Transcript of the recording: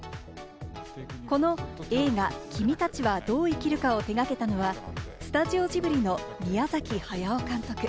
この映画『君たちはどう生きるか』を手がけたのはスタジオジブリの宮崎駿監督。